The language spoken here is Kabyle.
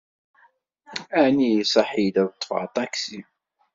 Ɛni iṣaḥ-iyi-d ad ḍḍfeɣ aṭaksi.